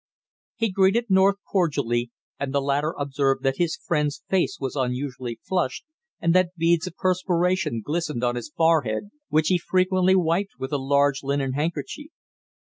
He greeted North cordially, and the latter observed that his friend's face was unusually flushed, and that beads of perspiration glistened on his forehead, which he frequently wiped with a large linen handkerchief.